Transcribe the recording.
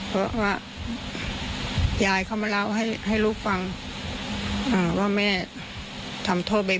เพราะว่ายายเขามาเล่าให้ให้ลูกฟังว่าแม่ทำโทษเป็น